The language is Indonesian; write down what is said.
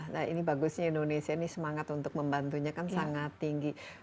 nah ini bagusnya indonesia ini semangat untuk membantunya kan sangat tinggi